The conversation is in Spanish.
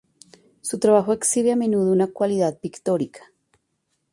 Su trabajo exhibe a menudo una cualidad pictórica.